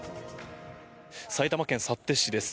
埼玉県幸手市です。